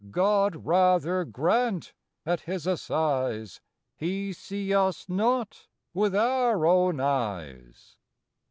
God rather grant, at His assize, He see us not with our own eyes!